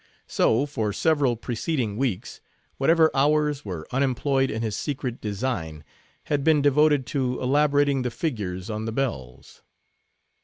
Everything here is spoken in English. So, for several preceding weeks, whatever hours were unemployed in his secret design, had been devoted to elaborating the figures on the bells.